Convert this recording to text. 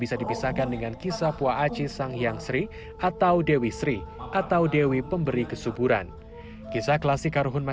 sampai jumpa di video selanjutnya